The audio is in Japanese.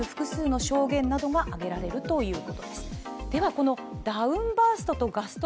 このダウンバーストとガスト